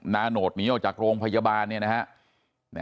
นาโนดหนีออกจากโรงพยาบาลเนี่ยนะฮะ